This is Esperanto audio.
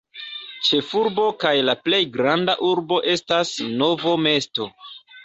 Ĉefurbo kaj la plej granda urbo estas Novo mesto.